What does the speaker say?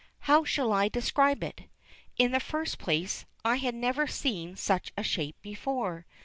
How shall I describe it? In the first place, I had never seen such a shape before.